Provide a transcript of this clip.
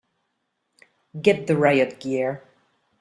Get the riot gear!